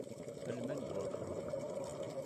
Alma n Buɛefṛun.